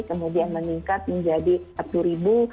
kemudian meningkat menjadi empat puluh ribu